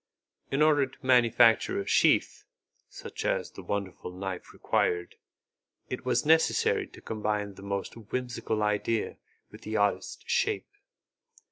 In order to manufacture a sheath, such as the wonderful knife required, it was necessary to combine the most whimsical idea with the oddest shape.